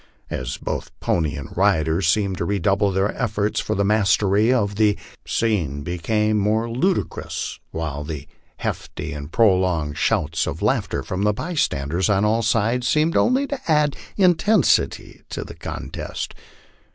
As both pony and rider seemed to redouble their efibrts for the mastery, the scenebecame more ludicrous, while the hearty and prolonged shouts of laughter from the bystanders on all sides seemed only to add intensity to the contest.